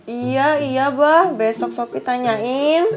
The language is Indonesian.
iya iya ba besok sopi tanyain